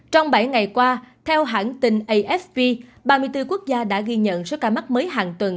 trong bảy ngày qua theo hãng tin afv ba mươi bốn quốc gia đã ghi nhận số ca mắc mới hàng tuần